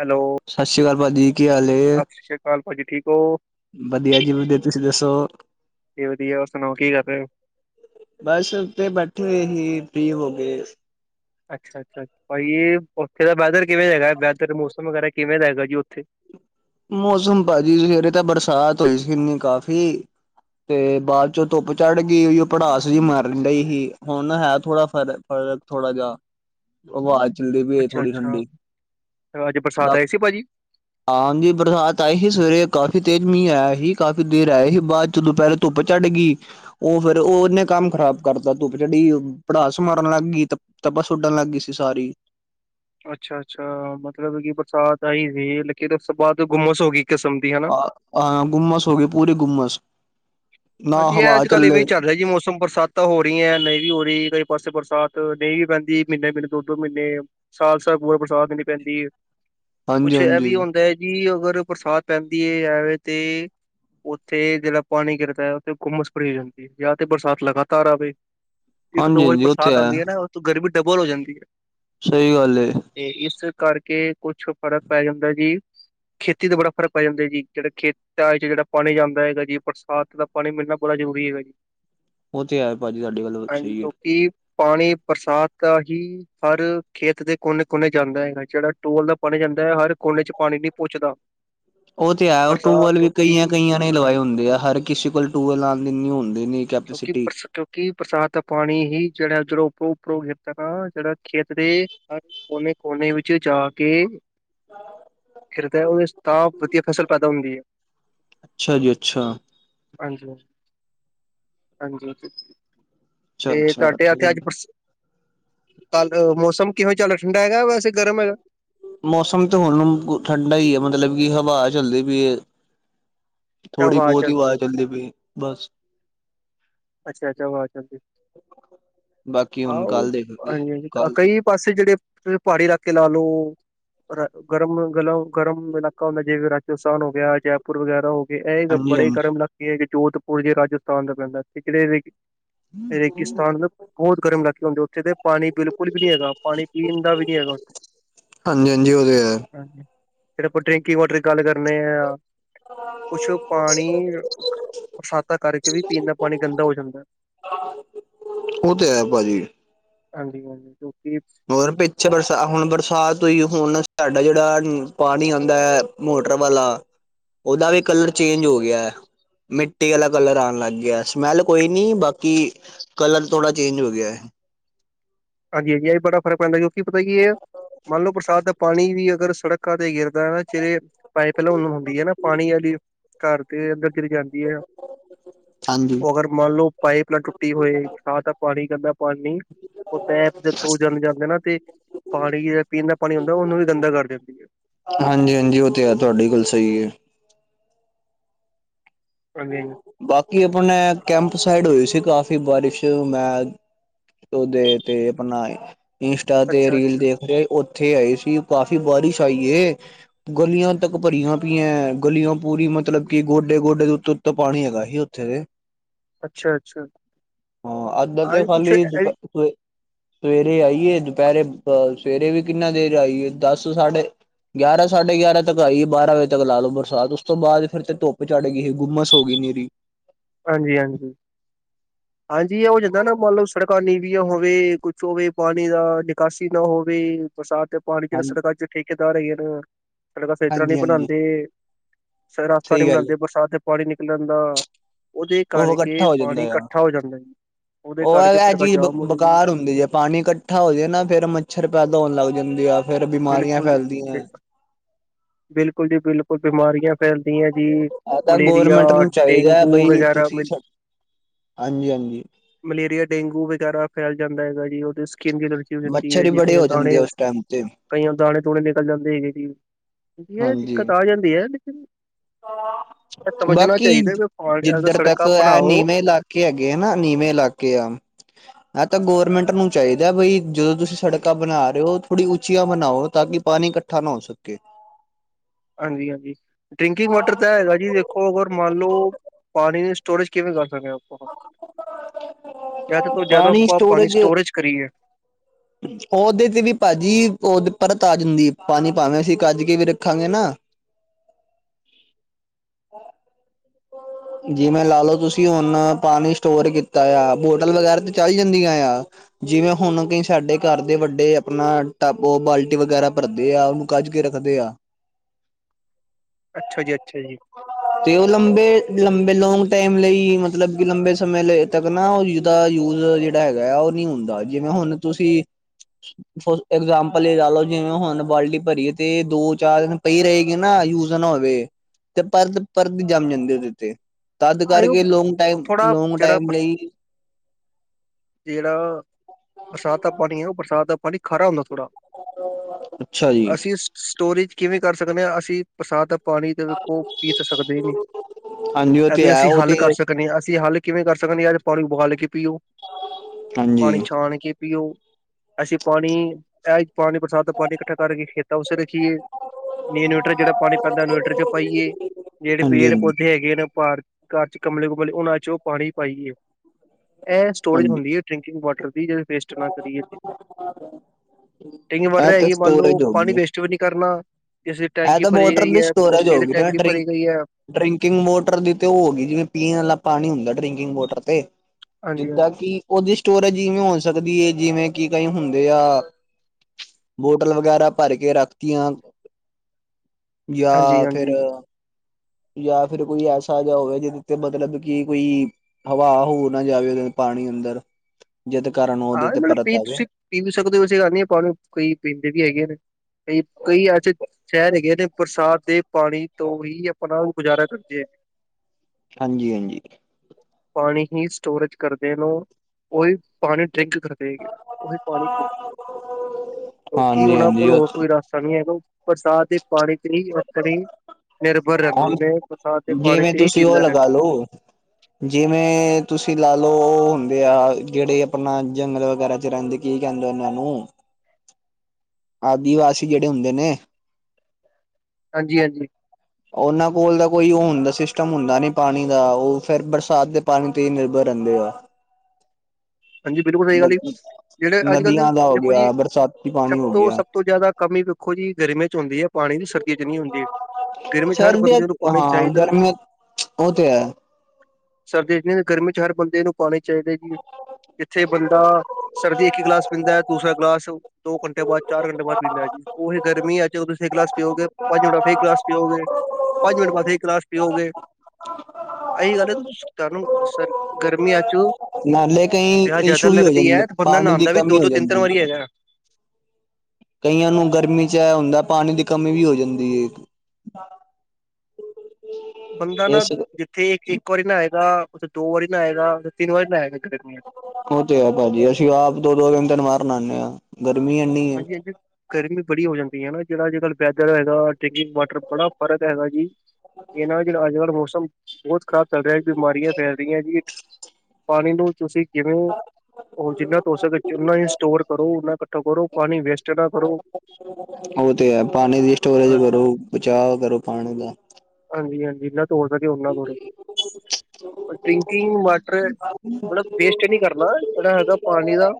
Hello ਸਤਿ ਸ੍ਰੀ ਅਕਾਲ, ਭਾਜੀ। ਕੀ ਹਾਲ ਹੈ। ਸਤਿ ਸ਼੍ਰੀ ਅਕਾਲ ਭਾਜੀ, ਠੀਕ ਹੋ? ਵਧੀਆ ਜੀ, ਵਦੀ ਤੁਸੀਂ ਦੱਸੋ? ਇਹ ਵਧੀਆ। ਹੋਰ ਸੁਣਾਓ ਕੀ ਕਰ ਰਹੇ ਹੋ? ਬਸ ਉ ਤੇ, ਬੈਠੇ ਹੋਏ ਸੀ। ਫਰੀ ਹੋ ਗਏ। ਅੱਛਾ- ਅੱਛਾ, ਭਾਈ ਉੱਥੇ ਦਾ ਵੈਦਰ, ਕਿਵੇਂ ਹੈਗਾ। ਵੈਦਰ, ਮੌਸਮ ਵਗੈਰਾ, ਕਿਵੇਂ ਦਾ ਹੈਗਾ ਜੀ ਉੱਥੇ। ਮੌਸਮ ਭਾਜੀ, ਸਵੇਰੇ ਤਾਂ, ਬਰਸਾਤ ਹੋਈ ਸੀ। ਇੰਨੀ ਕਾਫ਼ੀ। ਤੇ ਬਾਅਦ ਚੋਂ, ਧੁੱਪ ਚੜ ਗਈ। ਉਹ ਪੜਾਸ ਜੀ ਮਰਨ ਡਈ ਸੀ। ਹੁਣ ਹੈ, ਥੋੜਾ ਫਰਕ। ਫਰਕ, ਥੋੜਾ ਜਿਹਾ। ਹਵਾ, ਚੱਲਦੀ ਪਈ ਹੈ। ਥੋੜੀ ਅੱਛਾ-ਅੱਛਾ। ਠੰਡੀ ਅੱਜ ਬਰਸਾਤ ਤਦ ਆਈ ਸੀ ਭਾਜੀ? ਹਾਂਾਂਜੀ। ਬਰਸਾਤ ਆਈ ਸੀ, ਸਵੇਰੇ। ਕਾਫ਼ੀ ਤੇਜ਼ ਮੀਂਹ ਆਇਆ ਸੀ। ਕਾਫ਼ੀ ਦੇਰ ਆਆ ਸੀ। ਬਾਅਦ ਦੋਂ ਦੁਪਹਿਰੇ, ਧੁੱਪ ਚੜ ਗਈ। ਉਹ, ਫੇਰ ਉਹਨੇ, ਕੰਮ ਖ਼ਰਾਬ ਕਰਤਾ। ਧੂਪ ਚੜੀ ਪੜਾਸ ਮਾਰਨ, ਲੱਗ ਗਈ। ਤਪਸ, ਸੁੱਡਣ ਲੱਗ ਗਈ, ਸੀ ਸਾਰੀ। ਅੱਛਾ- ਅੱਛਾ, ਮਤਲਬ ਕਿ ਬਰਸਾਤ ਆਈ ਸੀ। ਲੇਕਿਨ ਉਸ ਤੋਂ, ਬਾਅਦ ਗੁੰਮਸ ਹੋ ਗਈ। ਣਿਕ ਕਿਸਮ ਦੀ, ਹਨਾ। ਹਾਂ, ਗੁੰਮਸ ਹੋ ਗਣੀ, ਪੂਰੀ ਗੁੰਮਸ। ਨਾ ਬਾਕੀ ਇਹ ਹੈ। ਹਵਾ ਅੱਜ ਕੱਲ ਇਵੇ ਚੱਲੇ ਵੀ, ਚੱਲ ਰਿਹਾ ਜੀ। ਮੌਸਮ ਬਰਸਾਤ [unintelligible] ਤਾਂ, ਹੋ ਰਹੀ ਹੈ। ਨਹੀਂ ਵੀ ਹੋ ਰਹੀ। ਕਈ ਪਾਸੇ, ਬਰਸਾਤ ਨਹੀਂ ਵੀ, ਪੈਂਦੀ। ਮਹੀਨੇ- ਮਹੀਨੇ, ਦੋ, ਦੋ ਮਹੀਨੇ। ਸਾਲ, ਸਾਲ ਪੂਰੇ। ਬਰਸਾਤ ਵੀ ਨੀ ਪੈਂਦੀ ਹੈ। ਹਾਂਜੀ ਕੁਛ ਇਹ ਹਾਂਜੀ ਵੀ ਹੁੰਦਾ ਕੀ, ਅਗਰ ਬਰਸਾਤ ਪੈਂਦੀ ਹੈ। ਐਵੇ ਤੇ ਉੱਥੇ, ਜਿਹੜਾ ਪਾਣੀ ਗਿਰਦਾ ਹੈ, ਨਾ। ਤੇ ਘੁੰਮਸ, ਭਰੀ ਜਾਂਦੀ। ਜਾਂ ਤੇ ਬਰਸਾਤ, ਲਗਾਤਾਰ ਆਵੇ। ਇੱਕ, ਹਾਂਜੀ ਦੋ ਵਾਰੀ ਹਾਂਜੀ ਉਹ ਤੇ ਬਰਸਾਤ ਆਉਂਦੀ ਹੈ, ਨਾ। ਤੋਂ, ਗਰਮੀ ਡਬਲ, ਹੋ ਜਾਂਦੀ ਹੈ। ਸਹੀ ਗੱਲ ਏ। ਤੇ ਇਸ ਕਰਕੇ, ਕੁਛ ਫ਼ਰਕ ਪੈ ਜਾਂਦਾ ਏ, ਜੀ। ਖੇਤੀ ਤੇ ਬੜਾ, ਫਰਕ ਪੈ ਜਾਂਦਾ ਹੈ, ਜੀ ਜਿਹੜਾ ਖੇਤਾਂ ਚ, ਜਿਹੜਾ ਪਾਣੀ ਜਾਂਦਾ ਹੈਗਾ। ਜੀ ਬਰਸਾਤ ਦਾ ਪਾਣੀ ਮਿਲਣਾ, ਬੜਾ ਜ਼ਰੂਰੀ ਹੈ ਬਣੀ। ਉਹ ਤੇ ਹੈ। ਭਾਜੀ ਤੁਸਾਡੀ, ਗੱਲ ਸਹੀ ਹੈ। ਕਿ, ਪਾਣੀ ਬਰਸਾਤ ਦਾ ਹੀ। ਹਰ, ਖੇਤ ਦੇ ਕੋਨੇ- ਕੋਨੇ, ਜਾਂਦਾ ਹੈਗਾ। ਜਿਹੜਾ ਟੂਅਲ ਦਾ ਪਾਣੀ, ਜਾਂਦਾ ਹੈ। ਹਰ ਕੋਨੇ ਚ, ਪਾਣੀ ਨੀ ਪੁੱਚਦਾ। ਉਹ ਤੇ ਹੈ। ਟਿਊਬਵੈਲ ਵੀ ਕਈਆਂ, ਕਈਆਂ ਨੇ ਕਿਉਂਕਿ ਲਵਾਏ ਹੁੰਦੇ ਆ। ਹਰ ਕਿਸੇ ਕੋਲ, ਟਊਬਵੈਲ ਲਾਉਣ ਦੇੇ ਇਨੀ ਹੁੰਦੇ ਨੀ। ਕਿਉਂਕਿ, ਕੈਪੈਸਿਟੀ ਬਰਸਾਤ। ਕਿਉਂਕਿ, ਬਰਸਾਤ ਦਾ ਪਾਣੀ ਹੀ। ਜਿਹੜਾ ਜਦੋਂ ਉੱਪਰੋਂ- ਉਪਰੋਂ, ਗਿਰ ਦਾ ਨਾ। ਜਿਹੜਾ ਖੇਤ ਦੇ ਕੋਨੇ, ਕੋਨੇ ਵਿੱਚ, ਜਾ ਕੇ। [inaudible] ਖਿਰਦਾ। ਉਹਦੇ ਵਿੱਚੋਂ ਤਾਂ, ਵਧੀਆ ਫਸਲ ਪੈਦਾ ਹੁੰਦੀ ਹੈ। ਅੱਛਾ ਜੀ ਅੱਛਾ। ਹਾਂਜੀ, ਹਾਂ। ਹਾਂਜੀ। ਅੱਛਾ ਤੇ ਅੱਛਾ ਤੁਹਾਡੇ, ਆ ਕੇ ਅੱਜ ਠੀਕ ਬਰਸਾ ਸ਼ਾਂਤ, ਮੌਸਮ ਕਿਵੇਂ ਚੱਲ ਰਿਹਾ। ਠੰਡਾ ਹੈਗਾ, ਵੈਸੇ ਗਰਮ ਹੈਗਾ। ਮੌਸਮ ਤੇ ਹੁਣ, ਠੰਡਾ ਹੀ ਹੈ। ਮਤਲਬ ਕਿ, ਹਵਾ ਚੱਲਦੀ ਪਈ ਹੈ। ਅੱਛਾ ਥੋੜੀ ਹਵਾ ਬਹੁਤ ਚੱਲ ਹੀ, ਰਹੀ ਹੈ। ਹਾਵਾ ਉੱਥੇ। ਚੱਲਦੀ, ਪਈ ਏ। ਬਸ। ਅੱਛਾ- ਅੱਛਾ, ਹਵਾ ਚਲਦੀ ਪਈ ਬਾਕੀ ਏ। ਹੁਣ ਆਔ, ਕੱਲ ਦੇਖਦੇ ਹਾਂਜੀ- ਹਾਂਜੀ, ਕੱਲ ਕਾਕ ਪਾਸੇ ਜਿਹੜੇਂ, ਪਹਾੜੀ ਇਲਾਕੇ ਲਾ ਲਓ। ਗਰਮ ਗਲਮ ਗਰਮ ਇਲਾਕਾ, ਹੋ ਗਿਆ। ਜਿਵੇਂ ਰਾਜਸਥਾਨ ਹੋ ਗਿਆ। ਜੈਪੁਰ, ਵਗੈਰਾ ਹੋ ਗਏ। ਇਹ ਹਾਂਜੀ ਬੜੇ ਹਾਂਜੀ ਗਰਮ ਇਲਾਕੇ ਜੋਧਪੁਰ ਜੇ ਰਾਜਸਥਾਨ ਚ, ਪੈਂਦਾ ਏ। ਤੇ ਕਿਥਹੇ ਰੇ ਰੇਗਿਸਤਾਨ ਦਾ ਬਹੁਤ ਗਰਮ, ਇਲਾਕੇ ਹੁੰਦੇ ਉਥੇ ਦੇ। ਪਾਣੀ ਬਿਲਕੁਲ, ਵੀ ਨੀ ਹੈਗਾ। ਪਾਣੀ ਪੀਣ, ਦਾ ਵੀ ਨੀ ਹੈਗਾ। ਉੱਥੇ, ਹਾਂਜੀ ਹਾਂਜੀ ਉਹ ਤੇ ਹੈ ਹਾਂਜੀ। ਫੇਰ ਆਪਾਂ ਡਰਿੰਕਿੰਗ, ਵਾਟਰ ਦੀ ਗਾਲ ਕਰਨੇ ਆਾਂ। ਕੁਛ ਔ ਪਾਣੀ, ਬਰਸਾਤਾ ਕਰਕੇ ਵੀ, ਪੀਣ ਦਾ ਪਾਣੀ, ਗੰਦਾ ਹੋ ਜਾਂਦਾ। [unintelligible] ਉਹ ਤੇ, ਹੈ ਭਾਜੀ। ਹਾਂਜੀ ਹਾਂਜੀ ਜੋ [unintelligible] ਹੋਰ ਪਿੱਛੇ ਬਰਸਾ ਹੁਣ ਬਰਸਾਤ ਹੋਈ ਹੁਣ ਸਾਡਾ ਜਿਹੜਾ ਪਾਣੀ ਆਉਂਦਾ ਏ ਮੋਟਰ ਵਾਲਾ ਉਹਦਾ ਵੀ ਕਲਰ ਚੇਂਜ ਹੋ ਗਿਆ ਹੈ। ਮਿੱਟੀ ਆਲਾ ਕਲਰ ਆਉਣ ਲੱਗ ਗਿਆ ਸਮੈਲ ਕੋਈ ਨਹੀਂ ਬਾਕੀ ਕਲਰ ਥੋੜਾ ਚੇਂਜ ਹੋ ਗਿਆ ਐ। ਹਾਂਜੀ ਹਾਂਜੀ ਇਹ ਬੜਾ ਫਰਕ ਪੈਂਦਾ ਕਿਉਂਕਿ ਪਤਾ ਕੀ ਏ, ਮੰਨ ਲਓ ਬਰਸਾਤ ਦਾ ਪਾਣੀ ਵੀ ਅਗਰ ਸੜਕਾਂ ਤੇ ਗਿਰਦਾ ਹੈ ਨਾ ਚਿਰੇ ਪਾਈਪ ਪਹਿਲ [unintelligible] ਉਨੂੰ ਹੁੰਦੀ ਹੈ ਨਾ ਪਾਣੀ ਵਾਲੀ ਘਰ ਦੇ ਅੰਦਰ ਗਲੀ ਜਾਂਦੀ ਹੈ ਹਾਂਜੀ ਓ ਅਗਰ ਮੰਨ ਲਓ ਪਾਈਪ ਨਾ ਟੁੱਟੀ ਹੋਏ ਆ ਤਾਂ ਪਾਣੀ ਗਦਾ ਪਾਣੀ ਉਹ ਪੈਪ ਜਿੱਥੋਂ ਜਮ ਜਾਂਦੇ ਨਾ ਤੇ ਪਾਣੀ ਜਿੜ ਪੀਣ ਦਾ ਪਾਣੀ ਹੁੰਦਾ ਉਹਨੂੰ ਵੀ ਗੰਦਾ ਕਰ ਦਿੰਦੀ ਏ। ਹਾਂਜੀ ਹਾਂਜੀ ਉਹ ਤੇ ਹੈ ਤੁਹਾਡੀ ਗੱਲ ਸਹੀ ਹੈ। ਹਾਂਜੀ ਹਾਂਜੀ ਬਾਕੀ ਆਪਣੇ ਕੈਂਪ ਸਾਈਡ ਹੋਈ ਸੀ ਕਾਫ਼ੀ ਬਾਰਿਸ਼ ਮੈਂ ਓਦੇ ਤੇ ਆਪਣਾ ਇੰਸਟਾ ਤੇ ਅੱਛਾ ਰੀਲ ਅੱਛਾ ਦੇਖ ਰਏ। ਉੱਥੇ ਆਏ ਸੀ ਕਾਫ਼ੀ ਬਾਰਿਸ਼ ਆਈ ਏ। ਗਲੀਆਂ ਤੱਕ ਭਰੀਆਂ ਪਈਆਂ ਗਲੀਆਂ ਪੂਰੀ ਮਤਲਬ ਕਿ ਗੋਡੇ ਗੋਡੇ ਤੋਂ ਉਤੋਂ ਉਤੋਂ ਪਾਣੀ ਹੈਗਾ ਹੀ ਉੱਥੇ ਦੇ। ਅੱਛਾ ਅੱਛਾ ਹਾਂ ਅੱਦਾ ਤੇ ਆਜ ਕੁਛ ਖਾਲੀ ਐ- ਦੁਾਨ [unintelligible] ਸਵੇਰੇ ਆਈਏ ਦੁਪਹਿਰੇਹ ਸਵੇਰੇ ਵੀ ਕਿੰਨਾ ਦੇਰ ਆਈਏ ਦਸ ਸਾਢੇ ਗਿਆਰਾਂ ਸਾਢੇ ਗਿਆਰਾਂ ਤੱਕ ਆਈ ਬਾਰਾਂ ਵਜੇ ਤੱਕ ਲਓ ਬਰਸਾਤ ਉਸ ਤੋਂ ਬਾਅਦ ਫਿਰ ਤੇ ਧੁੱਪ ਚੜ੍ਹ ਗਈ ਹੀ। ਹੁੰਮਸਹੋ ਗਈ ਨਿਰੀ। ਹਾਂਜੀ ਹਾਂਜੀ ਹਾਂਜੀ ਇਹ ਹੋ ਜਾਂਦਾ ਨਾ ਮੰਨ ਲਓ ਸੜਕਾਂ ਨੀਵੀਆਂ ਹੋਵੇ ਕੁਛ ਹੋਵੇ ਪਾਣੀ ਦਾ ਨਿਕਾਸੀ ਨਾ ਹੋਵੇ ਬਰਸਾਤ ਤੇ ਪਾਣੀ ਜਿਹੜ ਹਾਂਜੀ ਸੜਕਾਂੱ ਠੇਕੇਦਾਰ ਹੀ ਨੇ ਸੜਕਾਂ ਸਈ ਤਰਾਂ ਨੀ ਹਾਂਜੀ ਹਾਂਜੀ ਬਣਾਂਦੇ ਰਾਸਤਾ ਨੀ ਸਹੀ ਗੱਲ ਬਣਾਂਦੇ ਬਰਸਾਤ ਦੇ ਪਾਣੀ ਨਿਕਲਣ ਦਾ। ਉਹਦੇ ਉਹ ਕਰਕੇ ਇਕੱਠਾ ਹੋ ਜਾਂਦਾ ਪਾਣੀ ਆ। ਇਕੱਠਾ ਹੋ ਜਾਂਦਾ ਜੀ ਉਹਦੇ ਉਹ ਕਰਕੇ ਹੈ ਇਹ ਸੜਕਾਂ ਚੀਜ਼ ਬ ਜਾਮ ਹੋ ਜਾਂਦੀਆਂ ਜੀ ਬੇਕਾਰ ਹੁੰਦੀ ਜੇ ਪਾਣੀ ਕੱ ਇਕੱਠਾ ਹੋਜੇ ਨਾ ਫਿਰ ਮੱਛਰ ਪੈਦਾ ਹੋਣ ਲੱਗ ਜਾਂਦੇ ਆ। ਫੇਰ ਬਿਮਾਰੀਆਂ ਬਿਲਕੁਲ ਜੀ ਫੈਲਦੀਆਂ ਬਿਲਕੁਲ ਜੀ ਬਿਲਕੁਲ ਕੋਈ ਬਿਮਾਰੀਆਂ ਫੈਲਦੀਆਂ ਜੀ ਇਹ ਤਾਂ ਮਲੇਰੀਆ ਗੌਰਮੈਂਟ ਨੂੰ ਚਾਹੀਦਾ ਡੇਂਗੂ ਬਈ ਵਗੈਰਾ ਤੁਸੀਂ ਮਿਲ ਹਾਂਜੀ ਹਾਂਜੀ ਮਲੇਰੀਆ ਡੇਂਗੂ ਵਗੈਰਾ ਫੈਲ ਜਾਂਦਾ ਹੈਗਾ ਜੀ ਉਹਦੇ ਸਕਿਨ ਦੀ ਐਲਰਜੀ ਹੋ ਜਾਂਦੀ ਮੱਛਰ ਹੈ ਹੀ ਜੀ ਬੜੇ ਹੋ ਜਾਂਦੇ ਦਾਣੇ ਆ ਉਸ ਟਾਈਮ ਤੇ ਕਈਆਂ ਦਾਣੇ ਦੁਣੇ ਨਿਕਲ ਜਾਂਦੇ ਹੈਗੇ ਜ ਇਹ ਹਾਂਜੀ ਦਿੱਕਤ ਆ ਜਾਂਦੀ ਹੈ। ਇਹ ਸਮਝਣਾ ਬਾਕੀ ਚਾਹੀਦਾ ਕਿ ਪਾਣੀ ਅਗਰ ਜਿੱਧਰ ਤੱਕ ਸੜਕਾਂ ਇਹ ਬਣਾਓ ਨੀਵੇਂ ਇਲਾਕੇ ਕੇ ਹੈਗੇ ਆ ਨਾ ਨੀਵੇਂ ਇਲਾਕੇ ਆ। ਐ ਤਾਂ ਗੌਰਮੈਂਟ ਨੂੰ ਚਾਹੀਦਾ ਬ ਜਦੋਂ ਤੁਸੀਂ ਸੜਕਾਂ ਬਣਾ ਰਹੇ ਹੋ ਥੋੜ੍ਹੀ ਉੱਚੀਆਂ ਬਣਾਓ ਤਾਂ ਕਿ ਪਾਣੀ ਕੱਠਾ ਨਾ ਹੋ ਸਕੇ। ਹਾਂਜੀ ਹਾਂਜੀ ਡਰਿੰਕਿੰਗ ਵਾਟਰ ਤਾਂ ਹੈਗਾ ਜੀ ਦੇਖੋ ਹੋਰ ਮੰਨ ਲਓ ਪਾਣੀ ਸਟੋਰੇਜ ਕਿਵੇਂ ਕਰ ਸਕਦੇ ਹਾਂ ਆਪਾਂ, ਜ਼ਿਆਦਾ ਤੋਂ ਜ਼ਿਆਦਾ ਆਪਾਂ ਪਾਣੀ ਸਟੋਰੇਜ ਕਰੀਏ। ਉਹਦੇ ਤੇ ਵੀ ਭਾਜੀ ਉਹਦੇ ਪਰਤ ਆ ਜਾਂਦੀ ਪਾਣੀ ਭਾਵੇਂ ਅਸੀਂ ਕੱਜ ਕੇ ਵੀ ਰੱਖਾਂਗੇ ਨਾ। ਹ ਜਿਵੇਂ ਲਾ ਲਓ ਤੁਸੀਂ ਹੁਣ ਪਾਣੀ ਸਟੋਰ ਕੀਤਾ ਆ ਬੋਟਲ ਵਗੈਰਾ ਤੇ ਚੱਲ ਜਾਂਦੀਆਂ ਆ ਜਿਵੇਂ ਹੁਣ ਕਈ ਸਾਡੇ ਘਰ ਦੇ ਵੱਡੇ ਆਪਣਾ ਟਬ ਬਾਲਟੀ ਵਗੈਰਾ ਭਰਦੇ ਆ ਉਹ ਕੱਜ ਕੇ ਰੱਖਦੇ ਆ। ਅੱਛਾ ਜੀ-ਅੱਛਾ ਜੀ। ਤੇ ਉਹ ਲੰਬੇ ਲੰਬੇ ਲੌਂਗ ਟਾਈਮ ਲਈ ਮਤਲਬ ਕਿ ਲੰਬੇ ਸਮੇਂ ਲਏ ਢਕਣਾ ਨਾ ਉਹ ਜਦਾ ਯੂਜ ਜਿਹੜਾ ਹੈਗਾ ਉਹ ਨਹੀਂ ਹੁੰਦਾ ਜਿਵੇਂ ਹੁਣ ਤੁਸੀਂ ਅ [inaudible] ਫੋਰ ਇਗਜਾਮਪਲ ਇਹ ਲਾ ਲੋਓ ਜਿਵੇਂ ਹੁਣ ਬਾਲਟੀ ਭਰੀਏ ਤੇ ਦੋ ਚਾਰ ਦਿਨ ਪਈ ਰਹੇਗੀ ਨਾ ਯੂਜ ਨਾ ਹੋਵੇ ਤੇ ਪਰਦ ਪਰਦ ਜੰਮ ਜਾਂਦੇ ਉਹਦੇ ਉਤੇ ਤਦ ਆਇਓ ਕਰਕੇ ਲੌਂਗ ਟਾਈਮ ਥੋੜਾ ਲੌਂਗ ਜਿਹੜਾ ਟਾਈਮ ਬਰਸ ਲਈ ਜਿਹੜਾ ਬਰਸਾਤ ਦਾ ਪਾਣੀ ਹੈ ਉਹ ਬਰਸਾਤ ਦਾ ਪਾਣੀ ਖਰਾ ਹੁੰਦਾ ਥੋੜਾ ਅੱਛਾ ਜੀ ਅਸੀਂ ਸਟੋਰੇਜ ਕਿਵੇਂ ਕਰ ਸਕਦੇ ਹਾਂ ਅਸੀਂ ਪ੍ਰਸਾਦ ਪਾਣੀ ਦੇ ਵਖੋ ਪੀ ਤਾਂ ਸਕਦੇ ਨਹੀਂ। ਹਾਂਜੀ ਉਹ ਤੇ ਇਹਦੇ ਹੈ ਅਸੀਂ ਉਹ ਹੱਲ ਤੇ ਕਰ ਸਕਦੇ ਹਾਂ ਅਸੀਂ ਹੱਲ ਕਿਵੇਂ ਕਰ ਸਕਦੇ ਅੱਜ ਪਾਣੀ ਉਬਾਲ ਕੇ ਪੀਓ ਹਾਂਜੀ ਪਾਣੀ ਛਾਣ ਕੇ ਪੀਓ ਐਸੀ ਪਾਣੀ ਇਹ ਪਾਣੀ ਬਰਸਾਤ ਦਾ ਪਾਣੀ ਇਕੱਠਾ ਕਰਕੇ ਕੀਤਾ ਉਸੇ ਰੱਖੀਏ ਨਹੀਂ ਇਨਵੇਟਰ ਜਿਹੜਾ ਪਾਣੀ ਪੈਂਦਾ ਇਨਵੇਰਟਰ ਚ ਪਾਈਏ ਜਿਹੜੇ ਹਾਂਜੀ ਪੇੜ ਹਾਂਜੀ ਪੌਦੇ ਹੈਗੇ ਨੇ ਪਾਰਕ ਚ ਕਮਲੇ ਗੁੰਮਲੇ ਉਹਨਾਂ ਚ ਉਹ ਪਾਣੀ ਪਾਈਏ ਇਹ ਸਟੋਰੇਜ ਹਾਂਜੀ ਹੁੰਦੀ ਹੈ। ਡਰਿੰਕਿੰਗ ਵਾਟਰ ਦੀ ਜੇ ਵੇਸਟ ਨਾ ਕਰੀਏ ਟਕਿੰਗ ਵਾਟਰ ਇਹ ਤਾਂ ਹੈਗੀ ਮੰਨ ਲਓ ਸਟੋਰੇਜ ਹੋ ਪਾਣੀ ਗਈ ਵੇਸਟ ਵੀ ਨੀ ਕਰਨਾ ਇਸ ਦੀ ਇਹ ਟੈਂਕੀ ਤਾਂ ਭਰੀ ਮੋਟਰ ਹੋਈ ਦੀ ਹੈ ਸਟੋਰੇਜ ਪੜੋਸੀਆਂ ਹੋ ਦੀ ਗਈ ਨਾ ਟੈਂਕੀ ਡਰਿੰਕ ਭਰੀ ਹੋਈ ਹੈ। ਡਰਿੰਕਿੰਗ ਵਾਟਰ ਦੀ ਤੇ ਉਹ ਹੋ ਗਈ ਜਿਵੇਂ ਪੀਣ ਵਾਲਾ ਪਾਣੀ ਹੁੰਦਾ ਡਰਿੰਕਿੰਗ ਵਾਟਰ ਤੇ ਹਾਂਜੀ ਜਿੱਦਾਂ ਹਾਂਜੀ। ਕਿ ਉਹਦੀ ਸਟੋਰ ਜਿਵੇਂ ਹੋ ਸਕਦੀ ਹੈ, ਜਿਵੇਂ ਕਿ ਕਈ ਹੁੰਦੇ ਆ ਬੋਟਲ ਵਗੈਰਾ ਭਰ ਕੇ ਰੱਖ ਤੀਆਂ ਜਾਂ ਹਾਂਜੀ ਫਿਰ ਹਾਂਜੀ ਜਾਂ ਫਿਰ ਕੋਈ ਐਸਾ ਹੋਵੇ ਜਿਹਦੇ ਤੇ ਮਤਲਬ ਕਿ ਕੋਈ ਹਵਾ ਹੂ ਨਾ ਜਾਵੇ ਉਹਦੇਨ ਪਾਣੀ ਅੰਦਰ ਜਿਹਦੇ ਕਾਰਨ ਹਾਂ ਉਹਦੇ ਤੇ ਮਤਲਬ ਪਰਤ ਪੀ ਆਵੇ। ਤੁਸੀਂ ਪੀ ਵੀ ਸਕਦੇ ਹੋ ਅਸੀਂ ਕਰ ਨਹੀਂ ਪਾਣੀ ਕਈ ਪੀਂਦੇ ਵੀ ਹੈਗੇ ਨੇ ਕਈ ਕਈ ਐਸੇ ਸ਼ਹਿਰ ਹੈਗੇ ਨੇ ਬਰਸਾਤ ਦੇ ਪਾਣੀ ਤੋਂ ਹੀ ਆਪਣਾ ਗੁਜ਼ਾਰਾ ਕਰਦੇੇ ਆ। ਹਾਂਜੀ ਹਾਂਜੀ। ਪਾਣੀ ਹੀ ਸਟੋਰੇਜ ਕਰਦੇ ਰਹੋ ਉਹੀ ਪਾਣੀ ਡਰਿੰਕ ਕਰ ਠੀਕ ਉਹੀ ਪਾਣੀ ਪੀ ਕੀ ਹਾਂਜੀ ਉਹਨਾਂ ਕੋਲ ਹਾਂਜੀ ਉਹ ਹੋਰ ਕੋਈ ਰਸਤਾ ਨੀ ਹੈ। ਬਰਸਾਤ ਦੇ ਪਾਣੀ ਤੇ ਹੀ ਆਪਣੀ ਨਿਰਭਰ ਰਹਿੰਦੇ ਹੁਣ ਨੇ ਬਰਸਾਤ ਦੇ ਪਾਣੀ ਜਿਵੇਂ ਤੇ ਹੀ ਤੁਸੀਂ ਉਹ ਜਿੰਦਾ ਲਗਾ ਰਹਿਣਾ ਲਓ ਜਿਵੇਂ ਤੁਸੀਂ ਲਾ ਲਓ ਉਹ ਹੁੰਦੇ ਆ ਜਿਹੜੇ ਆਪਣਾ ਜੰਗਲ ਵਗੈਰਾ ਚ ਰਹਿੰਦੇ ਕੀ ਕਹਿੰਦੇ ਉਨਾਂ ਨੂੰ। ਆਦੀ ਵਾਸੀ ਜਿਹੜੇ ਹੁੰਦੇ ਨੇ। ਹਾਂਜੀ ਹਾਂਜੀ। ਉਹਨਾਂ ਕੋਲ ਤਾਂ ਕੋਈ ਉਹ ਹੁੰਦਾ ਸਿਸਟਮ ਹੁੰਦਾ ਨੀ ਪਾਣੀ ਦਾ ਉਹ ਫਿਰ ਬਰਸਾਤ ਦੇ ਪਾਣੀ ਤੇ ਹੀ ਨਿਰਭਰ ਰਹਿੰਦੇ ਆ ਹਾਂਜੀ ਬਿਲਕੁਲ ਸਹੀ ਗੱਲ ਨਦੀ ਜਿਹੜੇ ਅੱਜ ਕੱਲ ਦੇ ਨਦੀਆਂ ਦਾ ਹੋ ਦੇਖੋ ਜੀ ਗਿਆ ਬਰਸਾਤੀ ਪਾਣੀ ਸਭ ਹੋ ਤੋਂ ਗਿਆ ਸਭ ਤੋਂ ਜ਼ਿਆਦਾ ਕਮੀ ਵੇਖੋ ਜੀ ਗਰਮੀ ਚ ਹੁੰਦੀ ਹੈ ਪਾਣੀ ਦੀ ਸਰ ਚੀਜ਼ ਨਹੀਂ ਹੁੰਦੀ ਗਰਮ ਚ ਹਰ ਸਰਦੀਆਂ ਬੰਦੇ ਨੂੰ ਪਾਣੀ ਹਾਂ ਚਾਹੀਦਾ ਗਰਮੀਆਂ ਉਹ ਤੇ ਹੈ ਸਰਦੀ ਚ ਗਰਮੀ ਚ ਹਰ ਬੰਦੇ ਨੂੰ ਪਾਣੀ ਚਾਹੀਦਾ ਜੀ ਜਿੱਥੇ ਬੰਦਾ ਸਰਦੀ ਇੱਕ ਗਿਲਾਸ ਪੀਂਦਾ ਦੂਸਰਾ ਗਲਾਸ ਦੋ ਘੰਟੇ ਬਾਅਦ ਚਾਰ ਘੰਟੇ ਬਾਅਦ ਪਿੰਦਾ ਜੀ ਓਹੀ ਗਰਮੀ ਚ ਛੇ ਗਲਾਸ ਪਿਓਗੇ ਪੰਜ ਮਿੰਟ ਬਾਅਦ ਇਹ ਕਲਾਸ ਪੀਓਗੇ ਪੰਜ ਮਿੰਟ ਬਾਸ ਇਹ ਗਲਾਸ ਪੀਓ ਗੇ ਇਹੀ ਗੱਲ ਹੈ ਤੁਹਾਨੂੰ ਸਰ ਗਰਮੀਆਂ ਚ ਨਾਲੇ ਕਈ ਪਿਆਸ ਜ਼ਿਆਦਾ ਇਸ਼ੂ ਵੀ ਹੋ ਲੱਗਦੀ ਜਾਂਦੇ ਹੈ ਤੇ ਬੰਦਾ ਪਾਣੀ ਦੀ ਨਹਾਉਂਦਾ ਵੀ ਦੋ ਕਮੀ ਹੋ ਦੋ ਤਿੰਨ ਤਿੰਨ ਜਾਂਦੀ। ਵਾਰੀ ਹੈਗਾ ਕਈਆਂ ਨੂੰ ਗਰਮੀ ਚ ਇਹ ਹੁੰਦਾ ਪਾਣੀ ਦੀ ਕਮੀ ਵੀ ਹੋ ਜਾਂਦੀ ਹੈ। ਬੰਦਾ ਨਾ ਇਸ ਉਹ ਜਿੱਥੇ ਇੱਕ ਵਾਰੀ ਨਾ ਨਾਏਗਾ ਉੱਥੇ ਦੋ ਵਾਰੀ ਨਾਏਗਾਂ ਉੱਥੇ ਤਿੰਨ ਵਾਰੀ ਨਾ ਨਾਏਗਾ [unintelligible] ਉਹ ਤੇ ਆ ਭਾਜੀ ਅਸੀਂ ਆਪ ਦੋ ਦੋ ਦਿਨ ਤਿਨ ਬਾਹਰ ਨਾਹਨੇ ਆ। ਗਰਮੀ ਇੰਨੀ ਹਾਂਜੀ ਹਾਂਜੀ ਗਰਮੀ ਬੜੀ ਹੋ ਜਾਂਦੀ ਹੈ ਨਾ ਜਿਹੜਾ ਅੱਜ ਕੱਲ ਪੈਦਲ ਹੈਗਾ ਤੇ ਜੀ ਵਾਟਰ ਬੜਾ ਫਰਕ ਹੈਗਾ ਜੀ ਇਹ ਨਾ ਜਿਹੜਾ ਅੱਜ ਕੱਲ੍ਹ ਮੌਸਮ। ਬਹੁਤ ਖ਼ਰਾਬ ਚੱਲ ਰਿਹਾ ਬਿਮਾਰੀਆਂ ਫੈਲ ਰਹੀਆਂ ਜੀ। ਪਾਣੀ ਨੂੰ ਤੁਸੀਂ ਜਿਵੇਂ ਉਹ ਜਿੰਨਾ ਹੋ ਸਕੇ ਓਨਾ ਹੀ ਸਟੋਰ ਕਰੋ ਓਨਾ ਇਕੱਠੋ ਕਰੋ। ਪਾਣੀ ਵੇਸਟ ਨਾ ਕਰੋ। ਓਹ ਤੇ ਹੈ ਪਾਣੀ ਸਟੋਰਜ ਹਾਂਜੀ, ਕਰੋ। ਬਚਾਅ ਕਰੋ ਪਾਣੀ ਦਾ। ਹਾਂਜੀ ਹਾਂਜੀ ਤੋੜ ਨਾ ਓਹਨਾ ਕੋਲ ਪਰ ਡਰਿੰਕਿੰਗ ਵਾਟਰ ਮਤਲਬ ਵੇਸਟ ਨਹੀਂ ਕਰਨਾ ਜਿਹੜਾ ਹੈਗਾ ਪਾਣੀ ਦਾ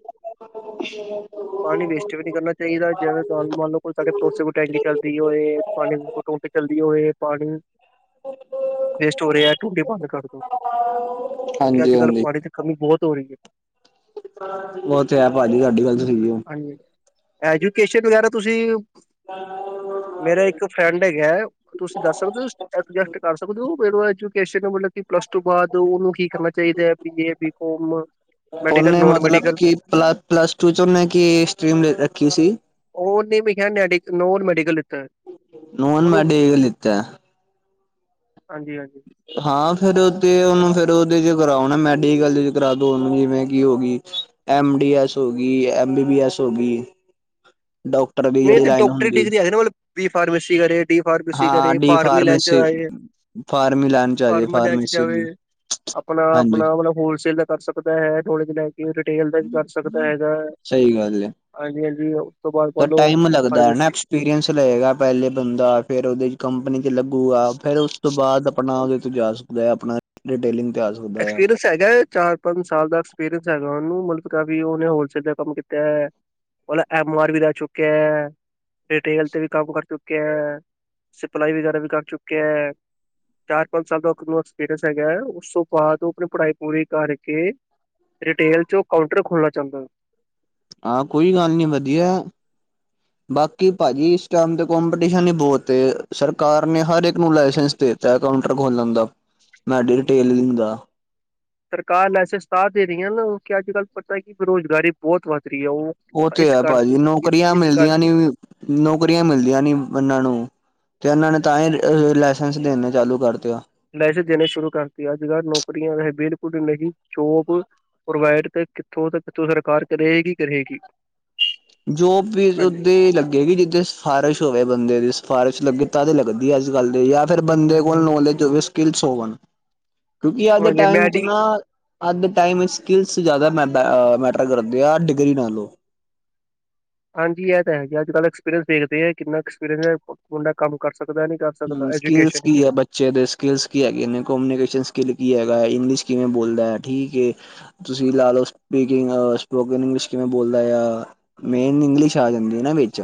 [unintelligible] ਪਾਣੀ ਵੇਸਟ ਵੀ ਨੀ ਕਰਨਾ ਚਾਹੀਦਾ ਜਿਵੇ ਮੰਨ ਲਓ ਕੋਈ ਸਾਡੇ ਪੜੋਸੀਆ ਦੀ ਕੋਈ ਟੈਂਕੀ ਚੱਲਦੀ ਹੋਏ। ਪਾਣੀ ਚੱਲਦੀ ਹੋਵੇ ਪਾਣੀ ਵੇਸਟ ਹੋ ਰਿਹਾ ਹੈ ਟੂਟੀ ਬੰਦ ਕਰਦੋ। ਕਿਉਂਕ ਅੱਜ ਹਾਂਜੀ ਕੱਲ੍ਹ ਹਾਂਜੀ ਪਾਣੀ ਦੀ ਕਮੀ ਬਹੁਤ ਹੋ ਰਹੀ ਹੈ। ਉਹ ਤੇ ਹੈ ਭਾਜੀ ਤੁਹਾਡੀ ਗੱਲ ਤੇ ਸਹੀ ਹੈ। ਹਾਂਜੀ ਐਜੂਕੇਸ਼ਨ ਵਗੈਰਾ ਤੁਸੀਂ। [unintelligible] ਮੇਰਾ ਇੱਕ ਫਰੈਂਡ ਹੈਗਾ ਏ। ਤੁਸੀਂ ਦੱਸ ਸਕਦੇ ਹੋ ਐਡਜਸਟ ਕਰ ਸਕਦੇ ਹੋ, ਐਜੂਕੇਸ਼ਨ ਮਤਲਬ ਕਿ ਪਲੱਸ ਟੂ ਬਾਅਦ ਉਹਨੂੰ ਕੀ ਕਰਨਾ ਚਾਹੀਦਾ? B A B com medical ਉਹਨੇ ਨੋਨ ਮਤਲਬ ਮੈਡੀਕਲ। ਕਿ ਪਲ ਪਲੱਸ ਟੂ ਚ ਉਹਨੇ ਕਿ ਸਟ੍ਰੀਮ ਰੱਖੀ ਸੀ? ਉਹਨੇ ਭਈਆ ਮੈਡੀ ਨੋਨ ਮੈਡੀਕਲ। ਹੈ ਨੋਨ ਉਹਨੂੰ ਮੈਡੀਕਲ ਲਿਤਾ? ਹਾਂਜੀ ਹਾਂਜੀ। ਹਾਂ ਫੇਰ ਤੇ ਉਹਨੂੰ ਫਿਰ ਉਹਦੇ ਚ ਕਰਾਉ ਨਾ ਮੈਡੀਕਲ ਕਰਾ ਦੋ ਉਹਨੂੰ ਜਿਵੇਂ ਕਿ ਹੋ ਗਈ। ਐਮ ਡੀ ਐਸ ਹੋ ਗਈ ਐਮ ਬੀ ਬੀ ਐਸ ਹੋ ਗਈ ਡਾਕ ਨਹੀਂ ਤਾਂ ਡਾਕਟਰੀ ਡਿਗਰੀ ਹੈ ਨਾ ਮਤਲਬ ਬੀ ਫਾਰਮੇਸੀ ਕਰੇ ਡੀ ਫਾਰਮੇਸੀ ਹਾਂ ਕਰੇ ਡੀ ਫਾਰਮੀ ਲੈਨ ਚ ਫਾਰਮੇਸੀ ਆਏ। ਫਾਰਮੀ ਲਾਈਨ ਚ ਆ ਜੇ ਫਾਰਮ ਲੈਣ ਚ ਫਾਰਮੇਸੀ ਜਾਵੇ ਦੀ ਆਪਣਾ ਹਾਂਜੀ ਆਪਣਾ ਮਤਲਬ ਹੋਲਸੇਲ ਦਾ ਕਰ ਸ। ਦਾ ਹੈ ਥੋੜੇ ਜਿਹੇ ਲੈ ਕੇ ਰਿਟੇਲ ਦਾ ਵੀ ਕਰ ਸਕਦਾ ਹੈਗਾ ਸਹੀ ਗੱਲ ਹੈ ਹਾਂਜੀ ਹਾਂਜੀ ਉਸ ਤੋਂ ਬਾਅਦ। ਤਾਂ ਮੰਨ ਲਓ ਟਾਈਮ ਲੱਗਦਾ ਹੈ ਨਾ ਫਾਰਮੇਸੀ ਐਕਸਪੀਰੀਅੰਸ ਲਏਗਾ ਪਹਿਲੇ ਬੰਦਾ ਫਿਰ ਉਹਦੇ। ਕੰਪਨੀ ਚ ਲੱਗੂਗਾ ਫੇਰ ਉਸ ਤੋਂ ਬਾਅਦ ਆਪਣਾ ਉਹਦੇ ਤੋਂ ਜਾ ਸਕਦਾ ਹੈ ਆਪਣਾ ਰਿਟੇਲਿੰਗ ਤੇ ਆ। ਸਕਦਾ ਆ ਐਕਪੀਰੀਅਨਸ। ਹੈਗਾ ਹੈ ਚਾਰ ਪੰਜ ਸਾਲ ਦਾ ਐਕਸਪੀਰੀਅੰਸ ਹੈਗਾ ਉਹਨੂੰ ਮਤਲਬ ਕਾਫੀ ਉਹਨੇ ਹੋਲਸੇਲ ਦਾ ਕੰਮ ਕੀਤਾ ਹੈ। ਲਾ ਐਮ ਆਰ ਵੀ ਰਹਿ ਚੁੱਕਿਆ ਹੈ ਰਿਟੇਲ ਤੇ ਵੀ ਕੰਮ ਕਰ ਚੁੱਕਿਆ ਹੈ। ਸਪਲਾਈ ਵਗੈਰਾ ਵੀ ਕਰ ਚੁੱਕਿਆ ਹੈ ਚਾਰ ਪੰਜ ਸਾਲ ਤੱਕ ਐਕਸਪੀਰੀਅੰਸ ਹੈਗਾ ਹੈ ਉਸ ਬਾਅਦ ਤੂੰ ਆਪਣੀ ਪੜ੍ਹਾਈ ਪੂਰੀ ਕਰਕੇ ਰਿਟੇਲ ਚੋਂ ਕਾਉਂਟਰ ਖੋਲਣਾ ਚਾਹੁੰਦਾ। ਹਾਂ, ਕੋਈ ਗੱਲ ਨੀ ਵਧੀਆ। ਹ ਬਾਕੀ ਭਾਜੀ ਇਸ ਟਾਈਮ ਤੇ ਕਪੀਟੀਸ਼ਨ ਹੀ ਬਹੁਤ ਏ ਸਰਕਾਰ ਨੇ ਹਰ ਇਕ ਨੂੰ ਲਾਇਸੈਂਸ ਦੇ। ਚਾਹੇ ਕਾਊਂਟਰ ਖੋਲ ਲੈਂਦਾ, ਮੈਂਡੀ ਰਿਟੇਲਿੰਗ ਦਾ। ਸਰਕਾਰ ਲਾਈਸੈਂਸ ਤਾਂ ਰਹੀ ਹੈ ਨਾ ਅੱਜ ਕੱਲ੍ਹ ਪਤਾ ਕਿ ਬੇਰੁਜ਼ਗਾਰੀ ਬਹੁਤ ਵੱਧ ਰਹੀ ਹੈ। ਉਹ ਉਹ ਤੇ ਇਸ ਹੈ ਕਰ ਭਾਜੀ ਇਸ ਨੌਕਰੀਆਂ ਇਸ ਕਰਕੇ ਮਿਲਦੀਆਂ ਨੀ ਨੌਕਰੀਆਂ ਮਿਲਦੀਆਂ ਨੀ ਇਹਨਾਂ ਨੂੰ। ਤੇ ਇਹਨਾਂ ਨੇ ਤਾਂ ਹੀ ਲਾਇਸੈਂਸ ਦੇਣੇੇ ਚਾਲੂ ਕਰ ਦਿਤੇ ਆ। ਲਾਇਸੈਂਸ ਦੇਣੇ ਸ਼ੁਰੂ ਕਰਤੀ ਅੱਜ ਕੱਲ੍ਹ ਨੌਕਰੀਆਂ ਰਹਿ ਬਿਲਕੁਲ ਨਹੀਂ ਜੌਬ। ਪ੍ਰੋਵਾਈਡ ਤੇ ਕਿੱਥੋਂ ਤੋਂ ਸਰਕਾਰ ਕਰੇਗੀ ਕਰੇਗੀ। ਜੋਬ ਵੀ ਹਾਂਜੀ ਓਦੇ ਲੱਗੇਗੀ ਜਿੱਦਾਂ। ਸਿਫਾਰਸ਼ ਹੋਵੇ ਬੰਦੇ ਦੀ ਸਿਫਾਰਸ਼ ਲੱਗ ਤਦ ਲੱਗਦੀ ਹੈ ਅੱਜ ਕੱਲ ਦੇ ਜਾਂ ਫਿਰ ਹਾਂਜੀ ਬਦੇ ਹਾਂਜੀ ਕੋਲ ਹਾਂਜੀ ਨੌਲੇਜ ਹੋਵੇ। ਸਕ ਹੋਵ ਕਿਉਂਕਿ ਅੱਜ ਦਾ ਹਾਂਜੀ ਟਮ ਮੈਂ ਚ ਜੀ ਨਾ [inaudible] ਅੱਜ ਦੇ ਟਾਈਮ ਸਕਿੱਲਸ ਜ਼ਿਆਦਾ ਮ ਮੈਟਰ ਕਰਦੇ ਆ। ਡਿਗਰੀ ਨਾਲੋਂ ਹਾਂਜੀ, ਇਹ ਤਾਂ ਹੈਗੀ ਅੱਜ ਕੱਲ ਐਕਸਪੀਰੀਅੰਸ ਦੇਖਦੇ ਆ ਕਿੰਨਾ ਐਕਸਪੀਰੀਅੰਸ ਹੈ ਮੁੰਡਾ ਕੰਮ ਕਰ ਸਕਦਾ ਨੀ ਕਰ। ਹਮ ਸਕਦਾ ਸਕਿਲਸ ਐਜੂਕੇਸ਼ਨ ਕੀ ਚ ਹੈ ਬੱਚੇ ਦੇ। ਸਕਿੱਲਸ ਕੀ ਹੈਗੇ ਨੇ ਕਮਊਨੀਕੇਸ਼ਨ ਸਕਿੱਲ ਕੀ ਹੈਗਾ ਹੈ ਇੰਗਲਿਸ਼ ਕਿਵੇਂ ਬੋਲਦਾ ਹੈ ਠੀਕ ਹੈ। ਤੁਸੀਂ ਲਾ ਲਓ ਸਪੀਕਿੰਗ ਸਪੋਕਨ ਇੰਗਲਿਸ਼ ਕਿਵੇਂ ਬੋਲਦਾ ਆ। ਮੇਨ ਇੰਗਲਿਸ਼ ਆ ਜਾਂਦੀ ਹੈ ਨਾ ਵਿੱਚ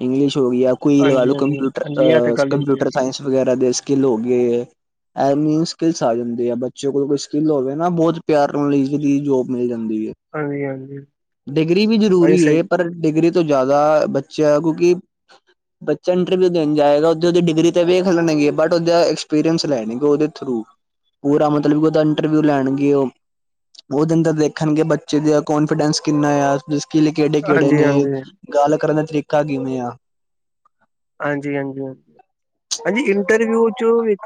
ਇੰਗਲਿਸ਼ ਹੋ ਗਈ ਆ ਕੋਈ ਲਾ ਹਾਂਜੀ ਲਓ ਹਾਂਜੀ ਕੰਪਿਊਟਰ ਹਾਂਜੀ ਇਹ ਤੇ ਗੱਲ ਹੈਗੀ ਹੈ ਕੰਪਿਊਟਰ ਜੀ ਵਗੈਰਾ ਦੇ ਸਕਿਲ ਹੋ ਗਏ। ਮੀਨ ਸਕਿੱਲਸ ਆ ਜਾਂਦੇ ਆ ਬੱਚੇ ਕੋਲ ਕੋਈ ਸਕਿੱਲ ਹੋਵੇ ਨਾ ਬਹੁਤ ਪਿਆਰ ਲਈਦੀ ਜੋਬ ਮਿਲ ਜਾਂਦੀ ਹੈ ਹਾਂਜੀ ਹਾਂਜੀ ਡਿਗਰੀ ਵੀ ਹਾਂਜੀ ਜਰੂਰੀ ਸਹੀ ਪਰ ਡਿਗਰੀ ਤੋਂ ਜ਼ਿਆਦਾ ਬੱਚਾ ਕਿਉਂਕਿ ਬੱਚਾ ਇੰਟਰਵਿਊ ਦੇਣ ਜਾਏਗਾ ਉਹਦੀ ਡਿਗਰੀ ਤੇ ਵੇਖ ਲੈਣਗੇ ਬਟ ਉਹਦਾ ਐਕਸਪੀਰੀਅੰਸ ਲੈਣਗੇ ਉਹਦੇ ਥਰੂ ਪੂਰਾ ਮਤਲਬ ਕਿ ਉਹਦਾ ਇੰਟਰਵਿਊ ਲੈਣਗੇ ਉਹ ਉਹਦੇ ਅੰਦਰ ਦੇਖਣਗੇ ਬੱਚੇ ਦਾ ਕੋਂਨਫੀਡੈਂਸ ਕਿੰਨਾ ਆ ਸਕਿਲ ਕਿਹੜੇ -ਕਿਹੜੇ ਹਾਂਜੀ ਨੇ, ਹਾਂਜੀ ਗੱਲ ਕਰਨ ਦਾ ਤਰੀਕਾ ਕਿਵੇਂ ਆ ਹਾਂਜੀ -ਹਾਂਜੀ ਹ ਹਾਂਜੀ ਇੰਟਰਵਿਊ ਚ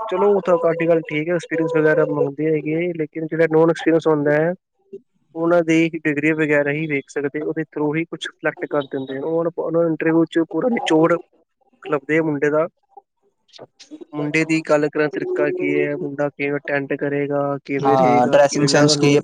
ਚਲੋ ਉ ਤੁਹਾਡੀ ਗੱਲ ਠੀਕ ਹੈ ਐਕਸਪੀਰੀਅੰਸ ਵਗੈਰਾ ਹੈਗੇ ਲੇਕਿਨ ਜਿਹੜਾ ਨੋ ਐਕਸਪੀਰੀਅੰਸ ਹੁੰਦਾ ਹੈ ਉਹਨਾਂ ਦੀ ਹੀ ਡਿਗਰੀ ਵਗੈਰਾ ਹੀ ਵੇਖ ਸਕਦੇ ਉਹਦੇ ਥਰੂ ਹੀ ਕੁਛ ਸਿਲੈਕਟ ਕਰ ਦਿੰਦੇ ਉਹ ਉਹ ਇੰਟਰਵਿਊ ਚ ਪੂਰਾ ਨਿਚੋੜ ਲੱਭਦੇ ਆ ਮੁੰਡੇ ਦਾ ਮੁੰਡੇ ਦੀ ਗੱਲ ਕਰਨ ਦਾ ਤਰੀਕਾ ਕੀ ਹੈ, ਮੁੰਡਾ ਕਿਵੇਂ ਅਟੈਂਡ ਕਰੇਗਾ ਕਿਵੇਂ ਹਾਂ ਰਹੇਗਾ ਡਰੈਸਿੰਗ ਕਿਵੇਂ ਨਾਲ ਸੈਂਸ ਉਹਨੂੰ ਕੀ